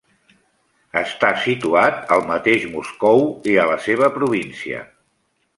Està situat al mateix Moscou i a la seva província.